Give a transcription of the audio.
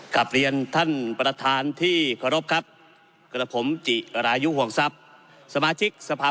กลับเรียนท่านประธานที่เคารพครับกระผมจิรายุห่วงทรัพย์สมาชิกสภา